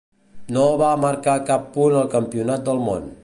No va marcar cap punt al Campionat del món.